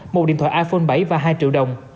một điện thoại iphone bảy và hai triệu đồng